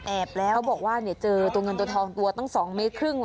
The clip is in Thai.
แอบแล้วบอกว่าเจอเงินตัวทองตัวตั้ง๒๕เมตร